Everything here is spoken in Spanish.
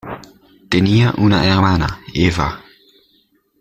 Tenía una hermana, Eva.